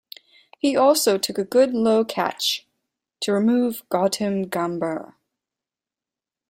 He also took a good low catch to remove Gautam Gambhir.